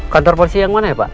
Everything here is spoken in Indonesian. kantor polisi yang mana ya pak